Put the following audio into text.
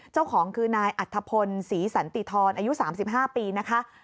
เจ้าของคือนายอัธพลศรีสันติธรอายุ๓๕ปีนะคะ